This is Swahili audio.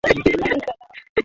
iliishinda timu ya west india